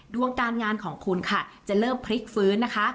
ดวงการงานของคุณค่ะจะเริ่มพลิกฟื้นนะคะ